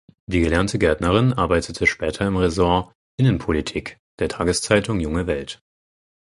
Die gelernte Gärtnerin arbeitete später im Ressort "Innenpolitik" der Tageszeitung junge Welt.